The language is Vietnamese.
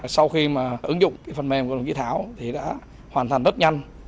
sau khi mà ứng dụng phần mềm của đồng chí thảo thì đã hoàn thành rất nhanh